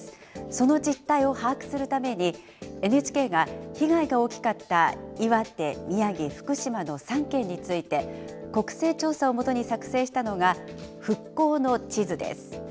その実態を把握するために、ＮＨＫが被害が大きかった、岩手、宮城、福島の３県について、国勢調査をもとに作成したのが、復興の地図です。